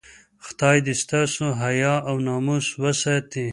خدای دې ستاسو حیا او ناموس وساتي.